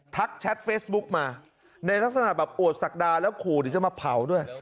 ทักแชตเฟซบุ๊กมาในลักษณะแบบโอดศักรรณ์และขูหรือจะมาเผาด้วย